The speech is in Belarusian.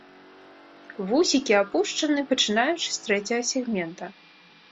Вусікі апушаны пачынаючы з трэцяга сегмента.